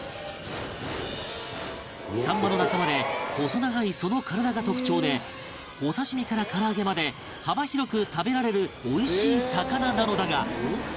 サンマの仲間で細長いその体が特徴でお刺身から唐揚げまで幅広く食べられるおいしい魚なのだが